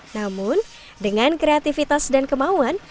namun dengan kreativitas dan kemauan